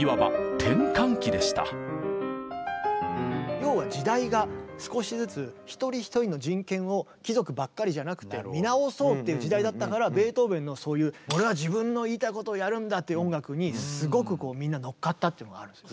要は時代が少しずつ貴族ばっかりじゃなくて見直そうという時代だったからベートーベンのそういう俺は自分の言いたいことをやるんだっていう音楽にすごくみんな乗っかったっていうのがあるんですね。